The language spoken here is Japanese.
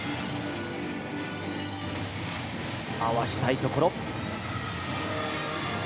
合わせたいところ。